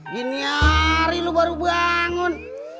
gini hari lu baru bangun